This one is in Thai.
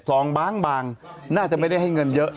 สองบางน่าจะไม่ได้ให้เงินเยอะ